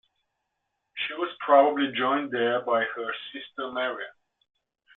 She was probably joined there by her sister Marianne.